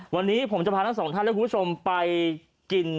วันนี้ผมจะพาทั้งสองท่านและคุณผู้ชมไปกิน